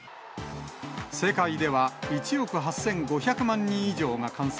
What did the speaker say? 世界では１億８５００万人以上が感染。